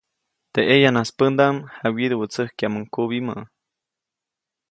Teʼ ʼeyanas pändaʼm jawyiduʼwätsäjkyaʼmuŋ kubimä.